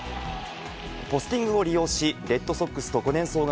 ポスティングを利用し、レッドソックスと５年総額